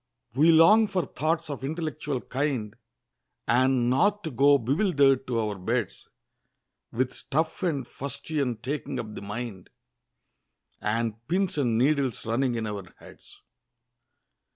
We long for thoughts of intellectual kind, And not to go bewilder'd to our beds; With stuff and fustian taking up the mind, And pins and needles running in our heads!